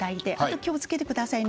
気をつけてくださいね